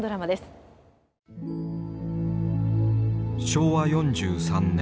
昭和４３年。